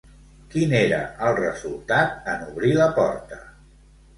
Quin era el resultat en obrir la porta?